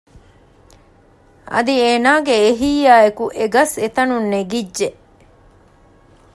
އަދި އޭނާގެ އެހީއާއެކު އެގަސް އެތަނުން ނެގިއްޖެ